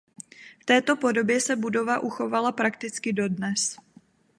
V této podobě se budova uchovala prakticky dodnes.